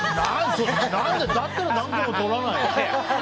だったら何個も取らない！